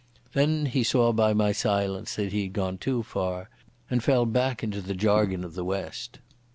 Then he saw by my silence that he had gone too far, and fell back into the jargon of the West.